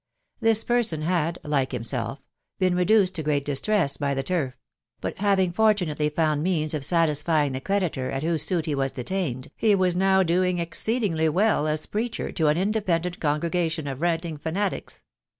This person had, like himself, been reduced to great distress by the turf; but having fortunately found means of satisfying the creditor at whose suit The was detained, he was now doing exceedingly well as preacher to an independent congregation of ranting fanatics.